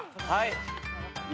はい。